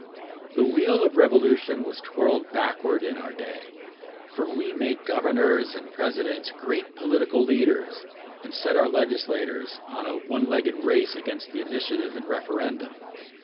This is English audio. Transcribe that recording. The wheel of revolution has twirled backward in our day; for we make governors and presidents great political leaders, and set our legislators on a one legged race against the initiative and referendum.